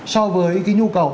so với cái nhu cầu